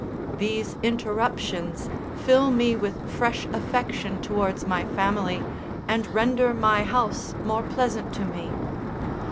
These interruptions fill me with fresh affection towards my family, and render my house more pleasant to me.